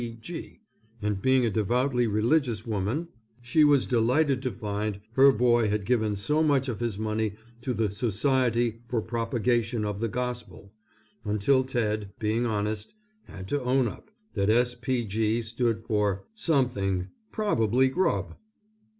P. G. and being a devoutedly religious woman she was delighted to find her boy had given so much of his money to the Society for Propagation of the Gospel, until Ted, being honest, had to own up that S. P. G. stood for Something, Probably Grub.